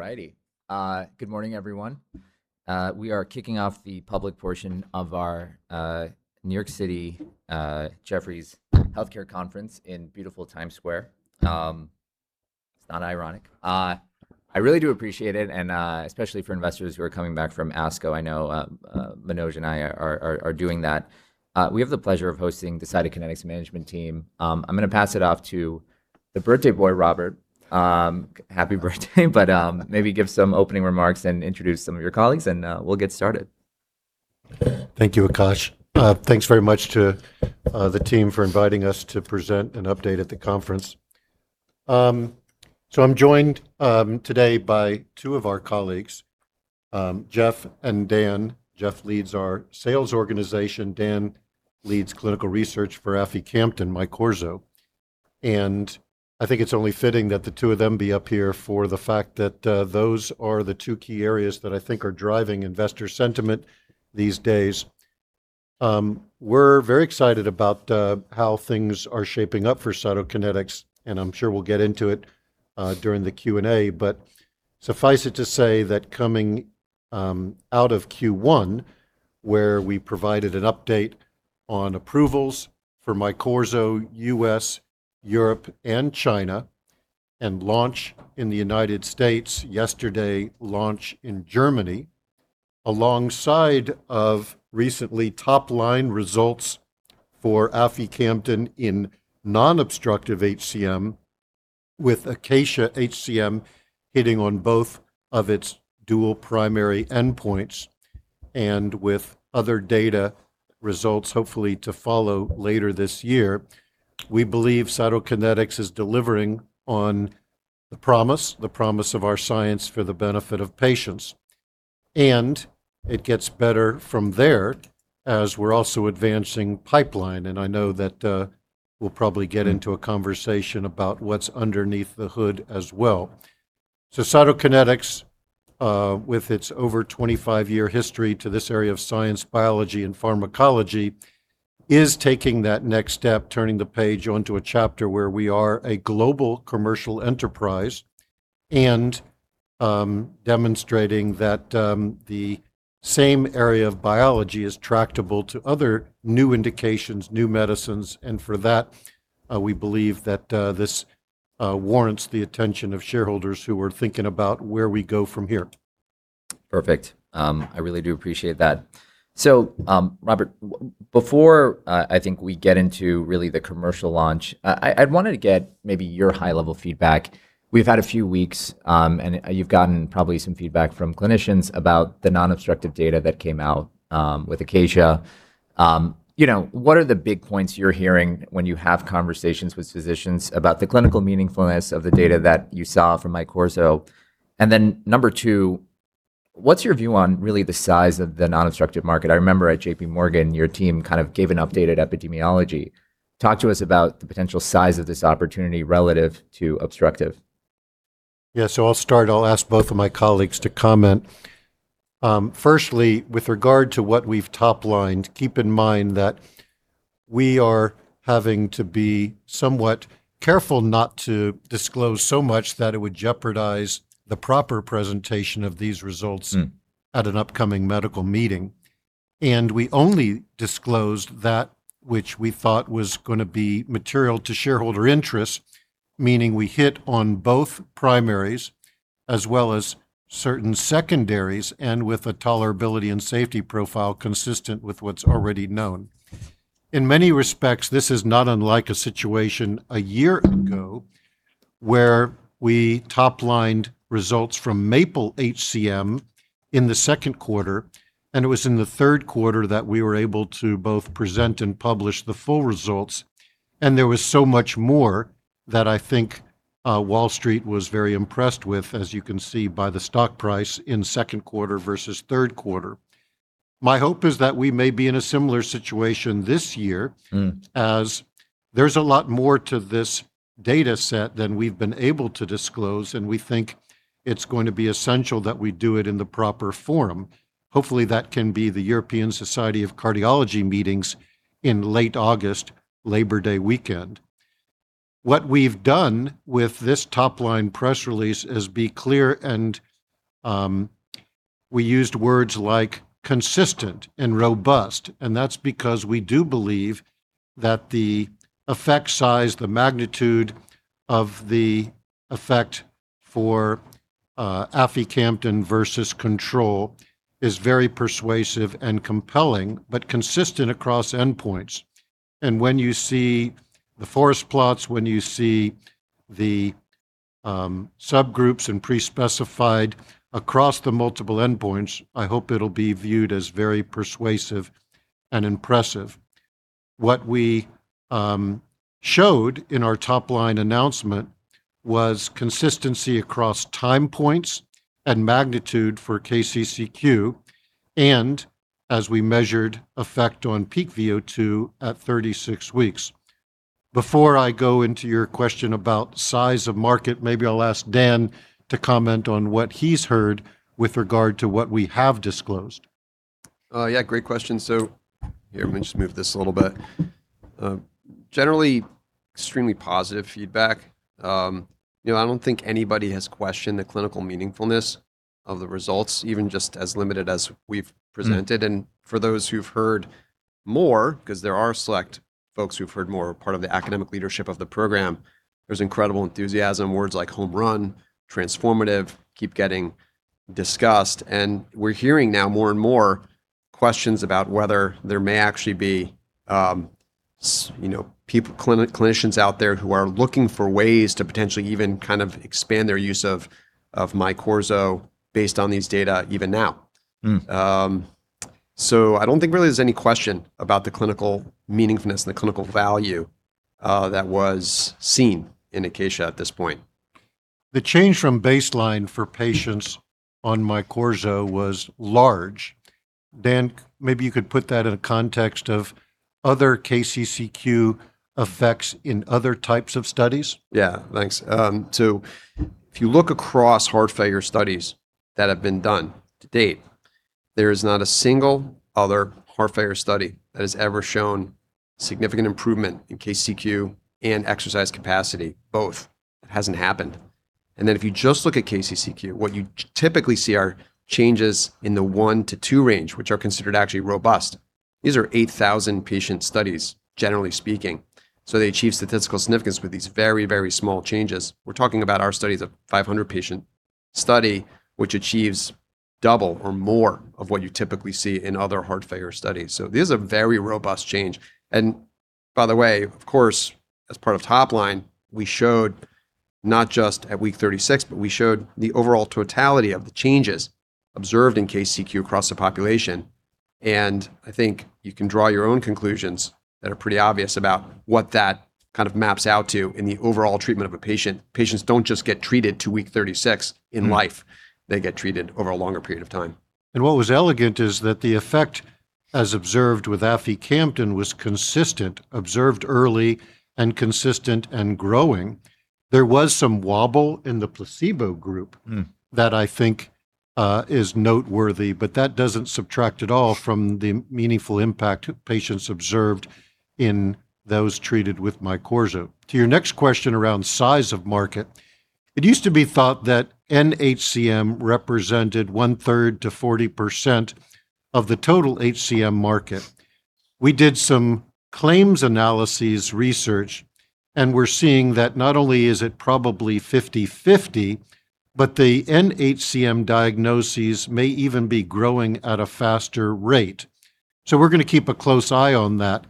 All righty. Good morning, everyone. We are kicking off the public portion of our New York City Jefferies Healthcare Conference in beautiful Times Square. It's not ironic. I really do appreciate it, especially for investors who are coming back from ASCO. I know Manoj and I are doing that. We have the pleasure of hosting the Cytokinetics management team. I'm going to pass it off to the birthday boy, Robert. Happy birthday. Maybe give some opening remarks and introduce some of your colleagues and we'll get started. Thank you, Akash. Thanks very much to the team for inviting us to present an update at the conference. I'm joined today by two of our colleagues, Jeff and Dan. Jeff leads our sales organization. Dan leads clinical research for aficamten, MYQORZO. I think it's only fitting that the two of them be up here for the fact that those are the two key areas that I think are driving investor sentiment these days. We're very excited about how things are shaping up for Cytokinetics. I'm sure we'll get into it during the Q&A, but suffice it to say that coming out of Q1, where we provided an update on approvals for MYQORZO, U.S., Europe, and China, and launch in the United States, yesterday launch in Germany, alongside of recently top-line results for aficamten in non-obstructive HCM with ACACIA-HCM hitting on both of its dual primary endpoints and with other data results hopefully to follow later this year. We believe Cytokinetics is delivering on the promise of our science for the benefit of patients, and it gets better from there as we're also advancing pipeline, and I know that we'll probably get into a conversation about what's underneath the hood as well. Cytokinetics, with its over 25-year history to this area of science, biology, and pharmacology, is taking that next step. Turning the page onto a chapter where we are a global commercial enterprise and demonstrating that the same area of biology is tractable to other new indications, new medicines, and for that, we believe that this warrants the attention of shareholders who are thinking about where we go from here. Perfect. I really do appreciate that. Robert, before I think we get into really the commercial launch, I wanted to get maybe your high-level feedback. We've had a few weeks, and you've gotten probably some feedback from clinicians about the non-obstructive data that came out with ACACIA. What are the big points you're hearing when you have conversations with physicians about the clinical meaningfulness of the data that you saw from MYQORZO? Number two, what's your view on really the size of the non-obstructive market? I remember at JPMorgan, your team kind of gave an updated epidemiology. Talk to us about the potential size of this opportunity relative to obstructive. Yeah, I'll start. I'll ask both of my colleagues to comment. Firstly, with regard to what we've top-lined, keep in mind that we are having to be somewhat careful not to disclose so much that it would jeopardize the proper presentation of these results at an upcoming medical meeting. We only disclosed that which we thought was going to be material to shareholder interests, meaning we hit on both primaries as well as certain secondaries, and with a tolerability and safety profile consistent with what's already known. In many respects, this is not unlike a situation a year ago where we top-lined results from MAPLE-HCM in the second quarter, and it was in the third quarter that we were able to both present and publish the full results. There was so much more that I think Wall Street was very impressed with, as you can see by the stock price in second quarter versus third quarter. My hope is that we may be in a similar situation this year, as there's a lot more to this data set than we've been able to disclose, and we think it's going to be essential that we do it in the proper forum. Hopefully, that can be the European Society of Cardiology meetings in late August, Labor Day weekend. What we've done with this top-line press release is be clear. We used words like consistent and robust, and that's because we do believe that the effect size, the magnitude of the effect for aficamten versus control is very persuasive and compelling, but consistent across endpoints. When you see the forest plots, when you see the subgroups and pre-specified across the multiple endpoints, I hope it'll be viewed as very persuasive and impressive. What we showed in our top-line announcement was consistency across time points and magnitude for KCCQ, and as we measured effect on Peak VO2 at 36 weeks. Before I go into your question about size of market, maybe I'll ask Dan to comment on what he's heard with regard to what we have disclosed. Yeah, great question. Here, let me just move this a little bit. Generally, extremely positive feedback. I don't think anybody has questioned the clinical meaningfulness of the results, even just as limited as we've presented. For those who've heard more, because there are select folks who've heard more, part of the academic leadership of the program. There's incredible enthusiasm, words like home run, transformative, keep getting discussed. We're hearing now more and more questions about whether there may actually be clinicians out there who are looking for ways to potentially even kind of expand their use of MYQORZO based on these data even now. I don't think really there's any question about the clinical meaningfulness and the clinical value that was seen in ACACIA at this point. The change from baseline for patients on MYQORZO was large. Dan, maybe you could put that in a context of other KCCQ effects in other types of studies. Yeah. Thanks. If you look across heart failure studies that have been done to date, there is not a single other heart failure study that has ever shown significant improvement in KCCQ and exercise capacity, both. It hasn't happened. If you just look at KCCQ, what you typically see are changes in the one to two range, which are considered actually robust. These are 8,000-patient studies, generally speaking. They achieve statistical significance with these very, very small changes. We're talking about our study's a 500-patient study, which achieves double or more of what you typically see in other heart failure studies. This is a very robust change. By the way, of course, as part of top line, we showed not just at week 36, but we showed the overall totality of the changes observed in KCCQ across the population. I think you can draw your own conclusions that are pretty obvious about what that kind of maps out to in the overall treatment of a patient. Patients don't just get treated to week 36 in life. They get treated over a longer period of time. What was elegant is that the effect as observed with aficamten was consistent, observed early, and consistent and growing. There was some wobble in the placebo group that I think is noteworthy, but that doesn't subtract at all from the meaningful impact patients observed in those treated with MYQORZO. To your next question around size of market, it used to be thought that NHCM represented 1/3 to 40% of the total HCM market. We did some claims analyses research, and we're seeing that not only is it probably 50/50, but the nHCM diagnoses may even be growing at a faster rate. We're going to keep a close eye on that.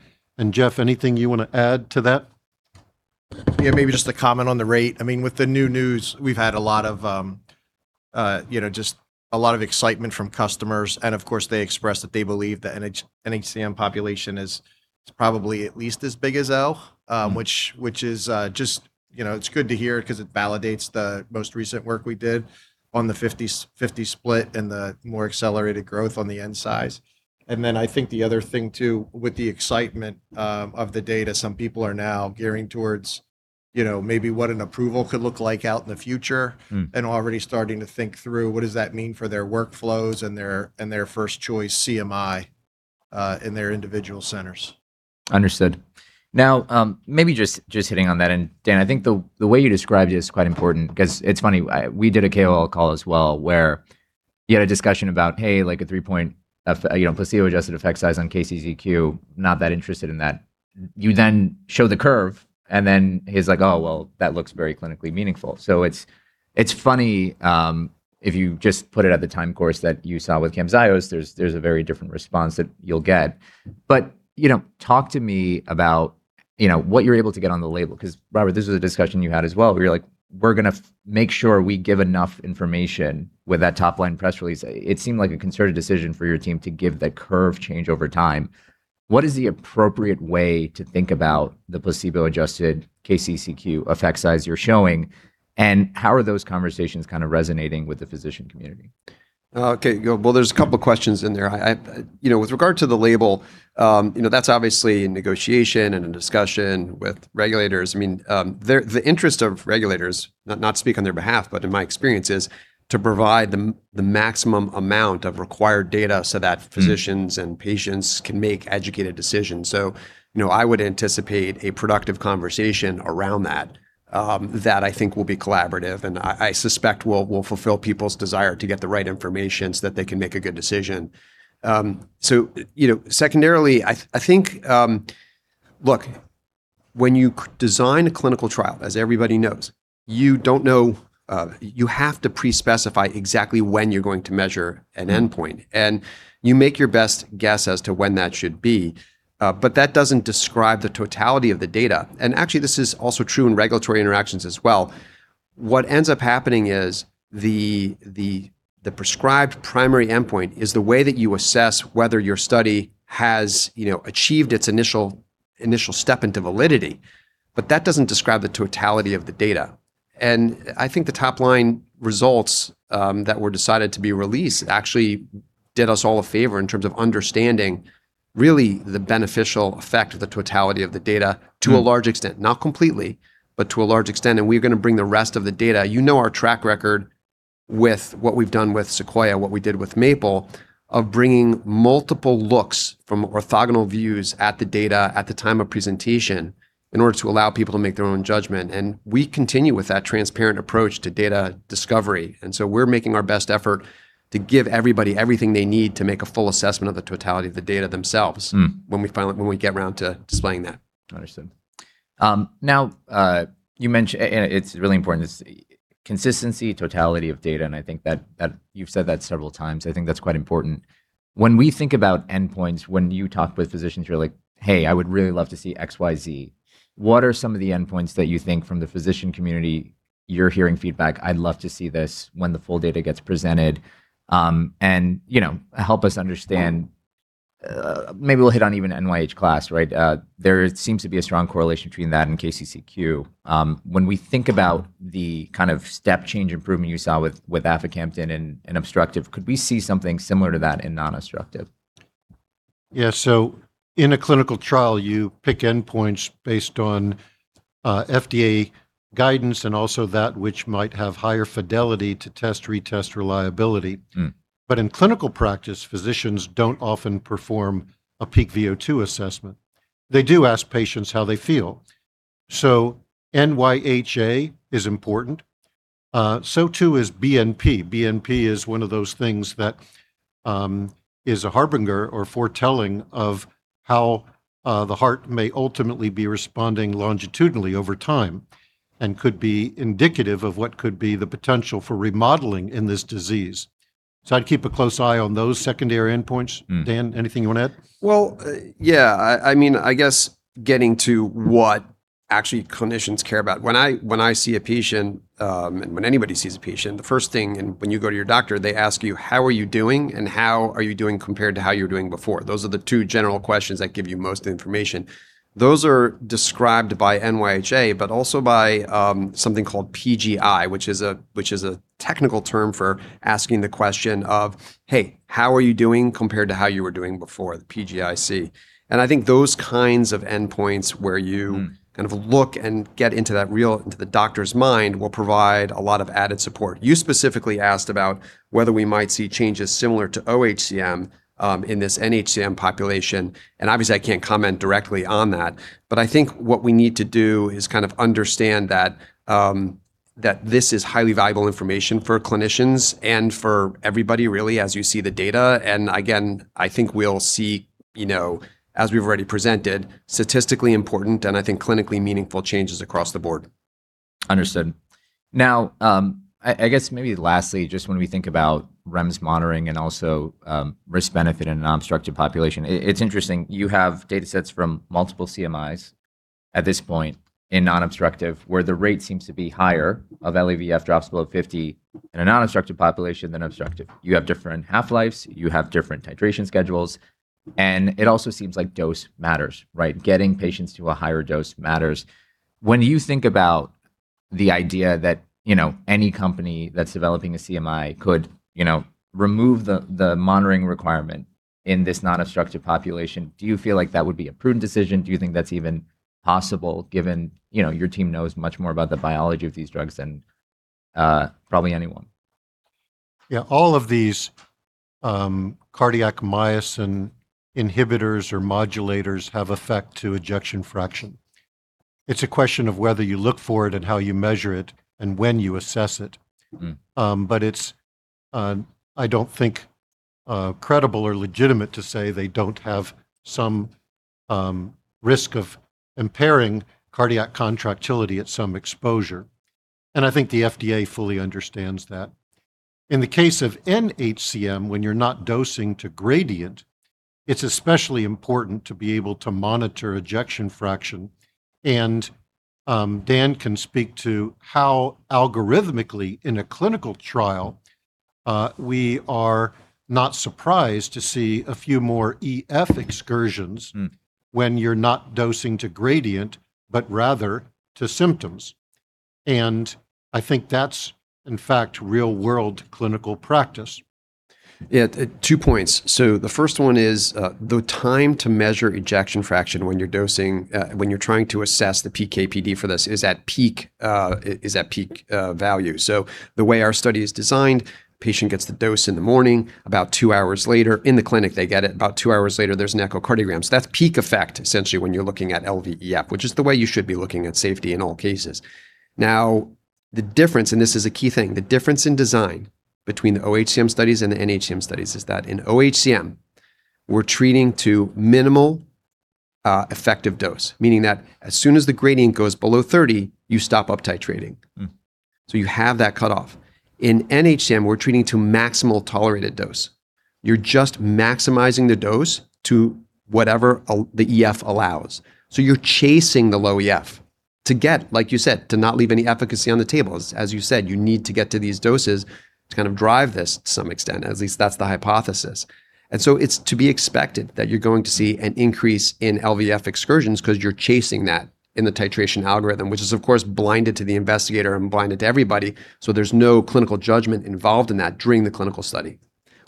Jeff, anything you want to add to that? Yeah, maybe just to comment on the rate. With the new news, we've had just a lot of excitement from customers, and of course, they expressed that they believe the nHCM population is probably at least as big as O, which is just good to hear because it validates the most recent work we did on the 50/50 split and the more accelerated growth on the N size. I think the other thing too, with the excitement of the data, some people are now gearing towards maybe what an approval could look like out in the future, and already starting to think through what does that mean for their workflows and their first choice CMI in their individual centers. Understood. Maybe just hitting on that, and Dan, I think the way you described it is quite important because it's funny, we did a KOL call as well, where you had a discussion about, hey, like a three-point placebo-adjusted effect size on KCCQ. Not that interested in that. You show the curve, he's like, oh, well, that looks very clinically meaningful. It's funny, if you just put it at the time course that you saw with CAMZYOS, there's a very different response that you'll get. Talk to me about what you're able to get on the label, because Robert, this was a discussion you had as well, where you're like, we're going to make sure we give enough information with that top-line press release. It seemed like a concerted decision for your team to give the curve change over time. What is the appropriate way to think about the placebo-adjusted KCCQ effect size you're showing, and how are those conversations kind of resonating with the physician community? Okay. Well, there's a couple questions in there. With regard to the label, that's obviously in negotiation and in discussion with regulators. The interest of regulators, not to speak on their behalf, but in my experience, is to provide the maximum amount of required data so that physicians and patients can make educated decisions. I would anticipate a productive conversation around that, that I think will be collaborative, and I suspect will fulfill people's desire to get the right information so that they can make a good decision. Secondarily, I think, look, when you design a clinical trial, as everybody knows, you have to pre-specify exactly when you're going to measure an endpoint. You make your best guess as to when that should be, but that doesn't describe the totality of the data. Actually, this is also true in regulatory interactions as well. What ends up happening is the prescribed primary endpoint is the way that you assess whether your study has achieved its initial step into validity, but that doesn't describe the totality of the data. I think the top-line results that were decided to be released actually did us all a favor in terms of understanding really the beneficial effect of the totality of the data to a large extent, not completely, but to a large extent, and we're going to bring the rest of the data. You know our track record with what we've done with SEQUOIA-HCM, what we did with MAPLE-HCM, of bringing multiple looks from orthogonal views at the data at the time of presentation in order to allow people to make their own judgment. We continue with that transparent approach to data discovery. We're making our best effort to give everybody everything they need to make a full assessment of the totality of the data themselves when we get around to displaying that. Understood. You mentioned, and it's really important, this consistency, totality of data, and I think that you've said that several times. I think that's quite important. We think about endpoints, when you talk with physicians, you're like, hey, I would really love to see XYZ. What are some of the endpoints that you think from the physician community you're hearing feedback, I'd love to see this when the full data gets presented, and help us understand, maybe we'll hit on even NYHA class, right? There seems to be a strong correlation between that and KCCQ. We think about the step change improvement you saw with aficamten in obstructive, could we see something similar to that in non-obstructive? In a clinical trial, you pick endpoints based on FDA guidance and also that which might have higher fidelity to test-retest reliability. In clinical practice, physicians don't often perform a Peak VO2 assessment. They do ask patients how they feel, so NYHA is important, so too is BNP. BNP is one of those things that is a harbinger or foretelling of how the heart may ultimately be responding longitudinally over time and could be indicative of what could be the potential for remodeling in this disease. I'd keep a close eye on those secondary endpoints. Dan, anything you want to add? Well, yeah. I guess getting to what actually clinicians care about. When I see a patient, and when anybody sees a patient, the first thing, and when you go to your doctor, they ask you, how are you doing? And how are you doing compared to how you were doing before? Those are the two general questions that give you most of the information. Those are described by NYHA, but also by something called PGI, which is a technical term for asking the question of, hey, how are you doing compared to how you were doing before, the PGI-C. I think those kinds of endpoints where you. Kind of look and get into the doctor's mind will provide a lot of added support. You specifically asked about whether we might see changes similar to oHCM in this nHCM population, and obviously, I can't comment directly on that, but I think what we need to do is understand that this is highly valuable information for clinicians and for everybody really as you see the data. Again, I think we'll see, as we've already presented, statistically important and I think clinically meaningful changes across the board. Understood. I guess maybe lastly, just when we think about REMS monitoring and also risk-benefit in a non-obstructive population, it's interesting. You have data sets from multiple CMIs at this point in non-obstructive, where the rate seems to be higher of LVEF drops below 50 in a non-obstructive population than obstructive. You have different half-lives. You have different titration schedules. It also seems like dose matters, right? Getting patients to a higher dose matters. When you think about the idea that any company that's developing a CMI could remove the monitoring requirement in this non-obstructive population, do you feel like that would be a prudent decision? Do you think that's even possible given your team knows much more about the biology of these drugs than probably anyone? All of these cardiac myosin inhibitors or modulators have effect to ejection fraction. It's a question of whether you look for it and how you measure it and when you assess it. It's, I don't think, credible or legitimate to say they don't have some risk of impairing cardiac contractility at some exposure, and I think the FDA fully understands that. In the case of nHCM, when you're not dosing to gradient, it's especially important to be able to monitor ejection fraction, and Dan can speak to how algorithmically in a clinical trial, we are not surprised to see a few more EF excursions when you're not dosing to gradient, but rather to symptoms. I think that's in fact real-world clinical practice. Yeah. Two points. The first one is the time to measure ejection fraction when you're trying to assess the PK/PD for this is at peak value. The way our study is designed, patient gets the dose in the morning, in the clinic, they get it, about two hours later, there's an echocardiogram. That's peak effect, essentially, when you're looking at LVEF, which is the way you should be looking at safety in all cases. The difference, and this is a key thing, the difference in design between the oHCM studies and the nHCM studies is that in oHCM, we're treating to minimal effective dose, meaning that as soon as the gradient goes below 30, you stop uptitrating, so you have that cutoff. In nHCM, we're treating to maximal tolerated dose. You're just maximizing the dose to whatever the EF allows. You're chasing the low EF to get, like you said, to not leave any efficacy on the table. As you said, you need to get to these doses to kind of drive this to some extent, at least that's the hypothesis. It's to be expected that you're going to see an increase in LVEF excursions because you're chasing that in the titration algorithm, which is of course blinded to the investigator and blinded to everybody, so there's no clinical judgment involved in that during the clinical study.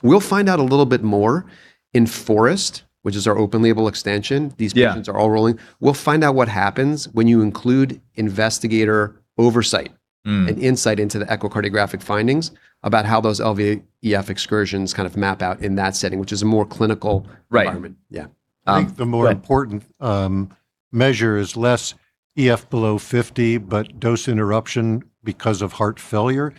We'll find out a little bit more in FOREST, which is our open-label extension. Yeah. These patients are all rolling. We'll find out what happens when you include investigator oversight. An insight into the echocardiographic findings about how those LVEF excursions kind of map out in that setting, which is a more clinical environment. I think the more important measure is less EF below 50, but dose interruption because of heart failure.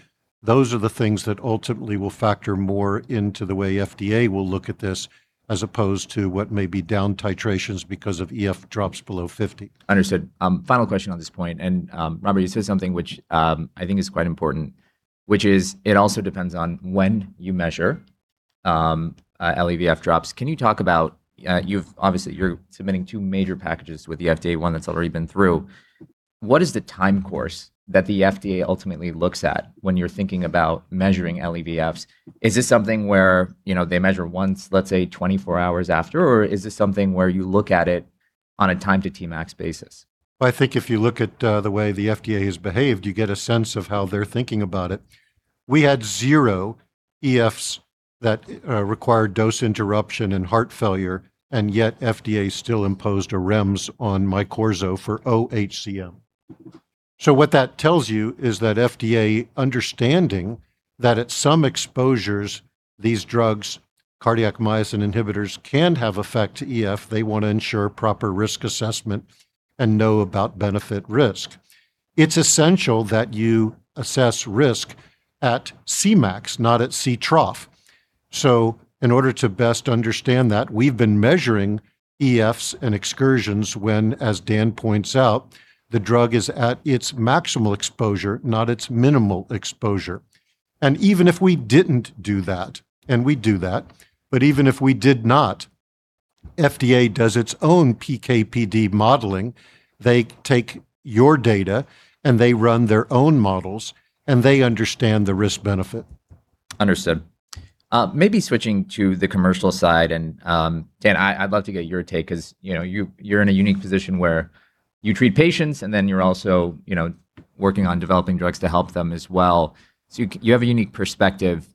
Those are the things that ultimately will factor more into the way FDA will look at this, as opposed to what may be down titrations because of EF drops below 50. Understood. Final question on this point, and Robert, you said something which I think is quite important, which is it also depends on when you measure LVEF drops. Can you talk about, obviously you're submitting two major packages with the FDA, one that's already been through. What is the time course that the FDA ultimately looks at when you're thinking about measuring LVEFs? Is this something where they measure once, let's say, 24 hours after, or is this something where you look at it on a time to Tmax basis? Well, I think if you look at the way the FDA has behaved, you get a sense of how they're thinking about it. We had zero EFs that required dose interruption in heart failure, and yet FDA still imposed a REMS on MYQORZO for oHCM. What that tells you is that FDA understanding that at some exposures, these drugs, cardiac myosin inhibitors, can have effect to EF. They want to ensure proper risk assessment and know about benefit risk. It's essential that you assess risk at Cmax, not at Ctrough. In order to best understand that, we've been measuring EFs and excursions when, as Dan points out, the drug is at its maximal exposure, not its minimal exposure. Even if we didn't do that, and we do that, but even if we did not, FDA does its own PK/PD modeling. They take your data and they run their own models, and they understand the risk benefit. Understood. Maybe switching to the commercial side. Dan, I'd love to get your take because you're in a unique position where you treat patients and then you're also working on developing drugs to help them as well. You have a unique perspective.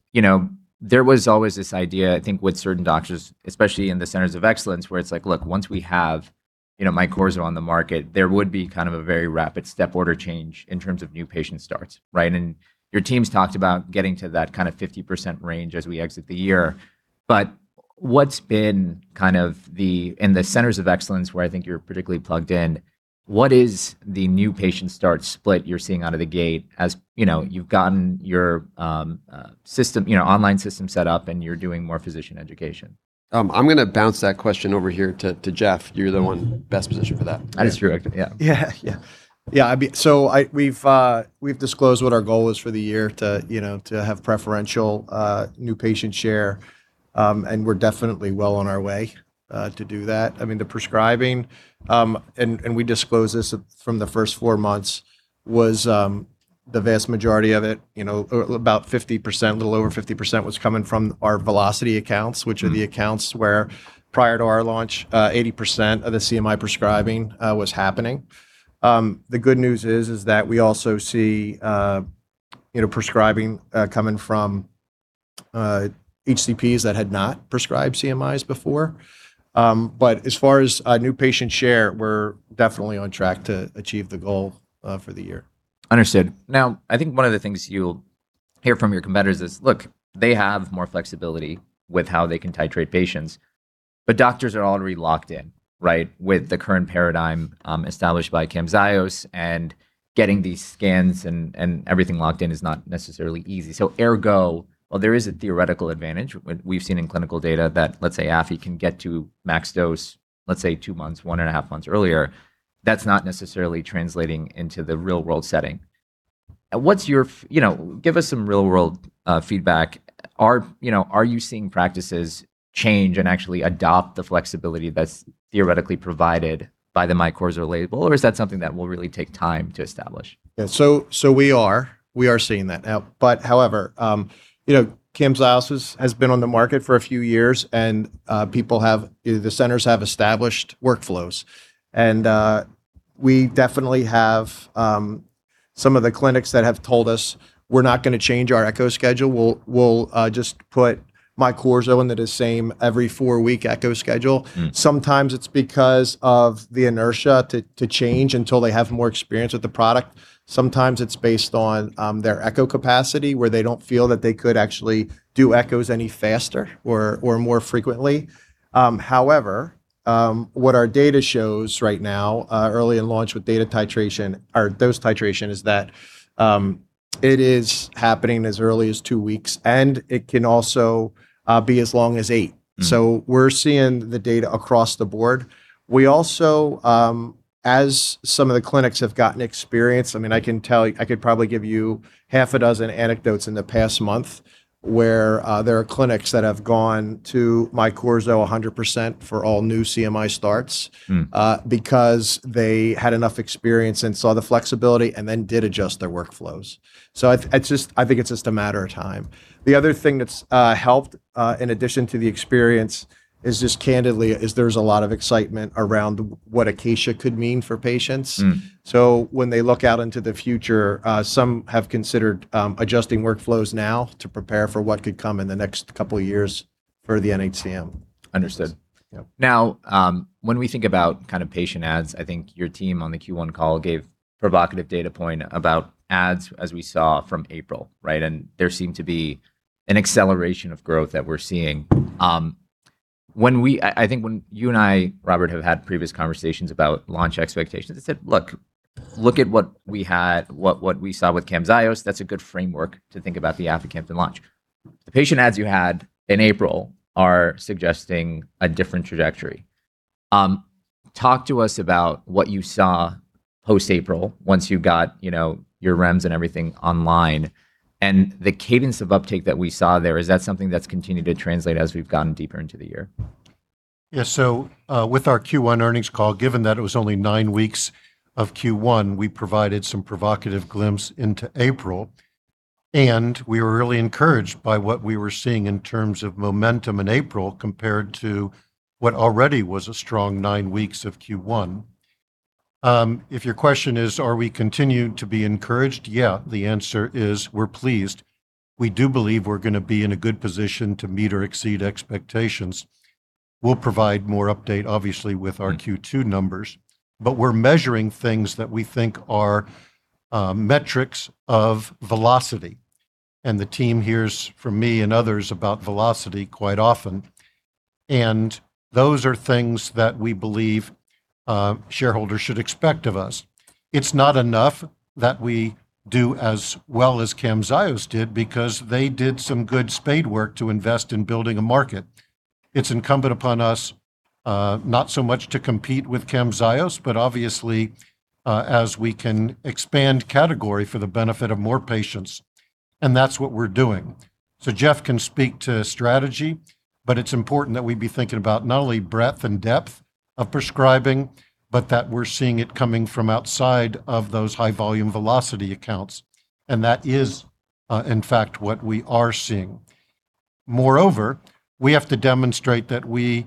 There was always this idea, I think, with certain doctors, especially in the Centers of Excellence, where it's like, look, once we have MYQORZO on the market, there would be a very rapid step order change in terms of new patient starts, right? Your team's talked about getting to that 50% range as we exit the year. What's been kind of the, in the Centers of Excellence where I think you're particularly plugged in, what is the new patient start split you're seeing out of the gate as you've gotten your online system set up and you're doing more physician education? I'm going to bounce that question over here to Jeff. You're the one best positioned for that. That is true, actually. Yeah. Yeah. We've disclosed what our goal is for the year to have preferential new patient share, and we're definitely well on our way to do that. I mean the prescribing, and we disclose this from the first four months, was the vast majority of it, about 50%, a little over 50% was coming from our velocity accounts, which are the accounts where prior to our launch, 80% of the CMI prescribing was happening. The good news is that we also see prescribing coming from HCPs that had not prescribed CMIs before. As far as new patient share, we're definitely on track to achieve the goal for the year. Understood. I think one of the things you'll hear from your competitors is, look, they have more flexibility with how they can titrate patients. Doctors are already locked in, right, with the current paradigm established by CAMZYOS and getting these scans and everything locked in is not necessarily easy. Ergo, while there is a theoretical advantage, we've seen in clinical data that, let's say, aficamten can get to max dose, let's say, two months, one and a half months earlier. That's not necessarily translating into the real-world setting. Give us some real-world feedback. Are you seeing practices change and actually adopt the flexibility that's theoretically provided by the MYQORZO label, or is that something that will really take time to establish? Yeah. We are seeing that now. However, CAMZYOS has been on the market for a few years and the centers have established workflows. We definitely have some of the clinics that have told us, we're not going to change our echo schedule. We'll just put MYQORZO into the same every four-week echo schedule. Sometimes it's because of the inertia to change until they have more experience with the product. Sometimes it's based on their echo capacity, where they don't feel that they could actually do echoes any faster or more frequently. However, what our data shows right now, early in launch with data titration or dose titration, is that it is happening as early as two weeks, and it can also be as long as eight. We're seeing the data across the board. We also as some of the clinics have gotten experience, I can tell you, I could probably give you half a dozen anecdotes in the past month where there are clinics that have gone to MYQORZO 100% for all new CMI starts because they had enough experience and saw the flexibility and then did adjust their workflows. I think it's just a matter of time. The other thing that's helped in addition to the experience is just candidly, there's a lot of excitement around what ACACIA could mean for patients. When they look out into the future some have considered adjusting workflows now to prepare for what could come in the next couple of years for the NHCM. Understood. Now when we think about patient adds, I think your team on the Q1 call gave provocative data point about adds as we saw from April. There seemed to be an acceleration of growth that we're seeing. I think when you and I, Robert, have had previous conversations about launch expectations, I said, look at what we saw with CAMZYOS. That's a good framework to think about the aficamten launch. The patient adds you had in April are suggesting a different trajectory. Talk to us about what you saw post-April once you got your REMS and everything online, and the cadence of uptake that we saw there, is that something that's continued to translate as we've gotten deeper into the year? Yeah. With our Q1 earnings call, given that it was only nine weeks of Q1, we provided some provocative glimpse into April, and we were really encouraged by what we were seeing in terms of momentum in April compared to what already was a strong nine weeks of Q1. If your question is are we continued to be encouraged? Yeah, the answer is we're pleased. We do believe we're going to be in a good position to meet or exceed expectations. We'll provide more update, obviously, with our Q2 numbers. We're measuring things that we think are metrics of velocity, and the team hears from me and others about velocity quite often. Those are things that we believe shareholders should expect of us. It's not enough that we do as well as CAMZYOS did because they did some good spade work to invest in building a market. It's incumbent upon us, not so much to compete with CAMZYOS, but obviously, as we can expand category for the benefit of more patients, and that's what we're doing. Jeff can speak to strategy, but it's important that we be thinking about not only breadth and depth of prescribing, but that we're seeing it coming from outside of those high-volume velocity accounts, and that is, in fact, what we are seeing. Moreover, we have to demonstrate that we,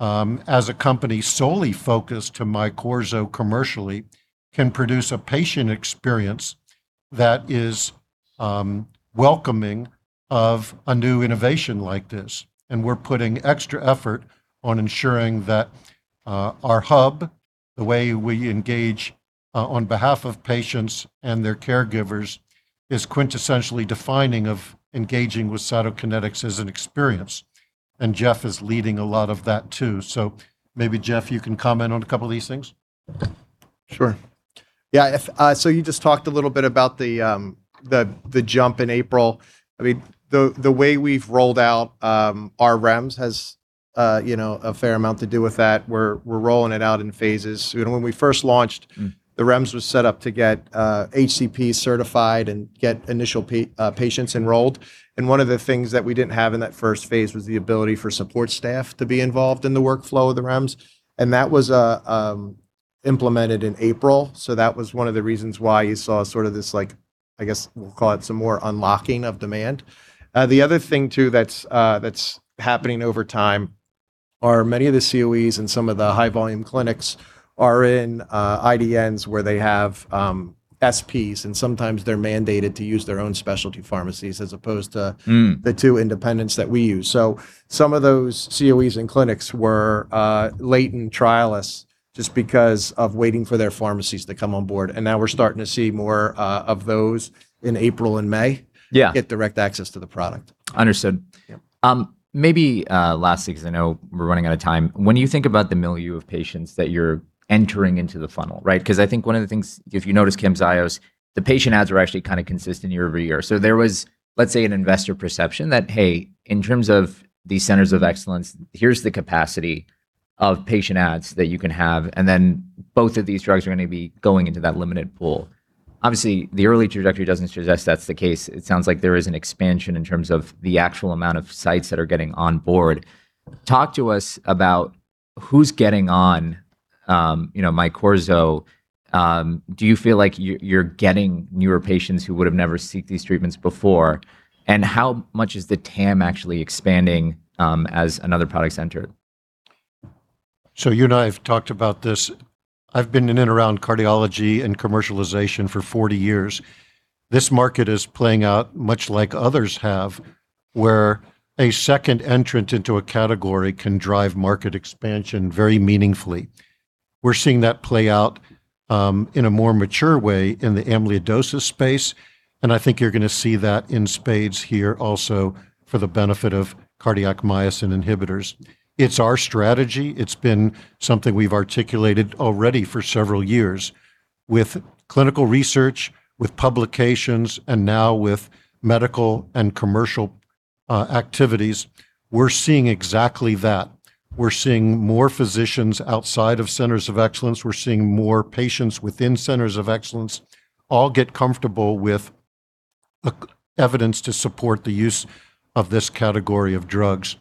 as a company solely focused to MYQORZO commercially, can produce a patient experience that is welcoming of a new innovation like this. We're putting extra effort on ensuring that our hub, the way we engage on behalf of patients and their caregivers, is quintessentially defining of engaging with Cytokinetics as an experience, and Jeff is leading a lot of that too. Maybe Jeff, you can comment on a couple of these things? Sure. Yeah. You just talked a little bit about the jump in April. The way we've rolled out our REMS has a fair amount to do with that. We're rolling it out in phases. When we first launched, the REMS was set up to get HCPs certified and get initial patients enrolled. One of the things that we didn't have in that first phase was the ability for support staff to be involved in the workflow of the REMS, and that was implemented in April. That was one of the reasons why you saw sort of this, I guess, we'll call it some more unlocking of demand. The other thing too that's happening over time are many of the COEs and some of the high-volume clinics are in IDNs where they have SPs. Sometimes they're mandated to use their own specialty pharmacies as opposed to the two independents that we use. Some of those COEs and clinics were latent trialists just because of waiting for their pharmacies to come on board. Now we're starting to see more of those in April and May, get direct access to the product. Understood. Yep. Maybe last thing, because I know we're running out of time. When you think about the milieu of patients that you're entering into the funnel, because I think one of the things, if you notice CAMZYOS, the patient adds were actually kind of consistent year-over-year. There was, let's say, an investor perception that, hey, in terms of these centers of excellence, here's the capacity of patient adds that you can have, and then both of these drugs are going to be going into that limited pool. Obviously, the early trajectory doesn't suggest that's the case. It sounds like there is an expansion in terms of the actual amount of sites that are getting on board. Talk to us about who's getting on MYQORZO. Do you feel like you're getting newer patients who would've never seeked these treatments before? How much is the TAM actually expanding as another products enter? You and I have talked about this. I've been in and around cardiology and commercialization for 40 years. This market is playing out much like others have, where a second entrant into a category can drive market expansion very meaningfully. We're seeing that play out in a more mature way in the amyloidosis space, and I think you're going to see that in spades here also for the benefit of cardiac myosin inhibitors. It's our strategy. It's been something we've articulated already for several years. With clinical research, with publications, and now with medical and commercial activities, we're seeing exactly that. We're seeing more physicians outside of Centers of Excellence, we're seeing more patients within Centers of Excellence, all get comfortable with evidence to support the use of this category of drugs.